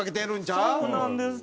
そうなんです